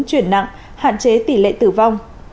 chuyển nặng hạn chế tỷ lệ tử vong